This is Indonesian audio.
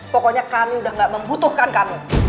pokoknya kami udah gak membutuhkan kami